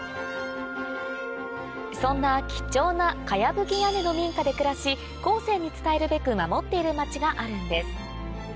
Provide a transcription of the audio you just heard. そんな貴重な茅ぶき屋根の民家で暮らし後世に伝えるべく守っている町があるんです